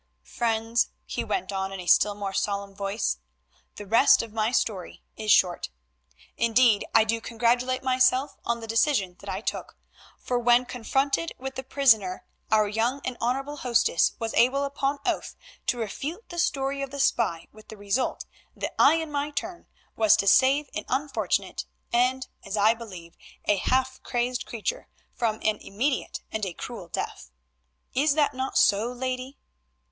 "Friends," he went on in a still more solemn voice, "the rest of my story is short. Indeed I do congratulate myself on the decision that I took, for when confronted with the prisoner our young and honourable hostess was able upon oath to refute the story of the spy with the result that I in my turn was to save an unfortunate, and, as I believe, a half crazed creature from an immediate and a cruel death. Is it not so, lady?"